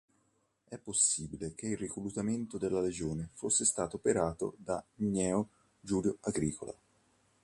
È possibile che il reclutamento della legione fosse stato operato da Gneo Giulio Agricola.